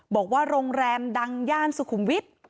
บอกว่าโรงแรมดังย่านสุขุมวิทย์